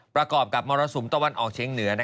ประกอบกับมรสุมตะวันออกเชียงเหนือ